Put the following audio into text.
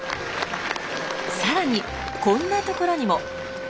更にこんなところにも。